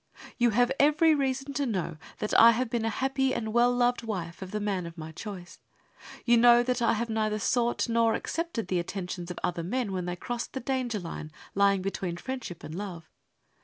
You have every reason to know that I have been a happy and well loved wife of the man of my choice. You know that I have neither sought nor accepted the attentions of other men when they crossed the danger line lying between friendship and love.